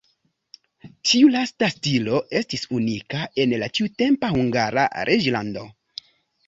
Tiu lasta stilo estis unika en la tiutempa Hungara reĝlando.